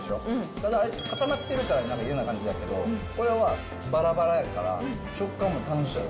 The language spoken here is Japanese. ただ、固まってるから、なんか嫌な感じだけど、これは、ばらばらやから、食感も楽しめる。